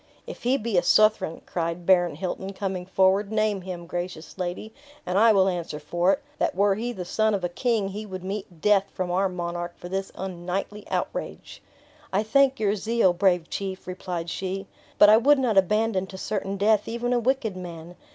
"If he be a Southron," cried Baron Hilton, coming forward, "name him, gracious lady, and I will answer for it, that were he the son of a king, he would meet death from our monarch for this unknightly outrage." "I thank your zeal, brave chief," replied she; "but I would not abandon to certain death even a wicked man.